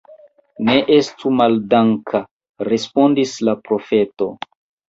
Ne estu maldanka, respondis la profeto.